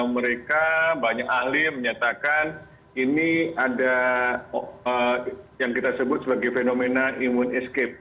mereka banyak ahli menyatakan ini ada yang kita sebut sebagai fenomena imun escape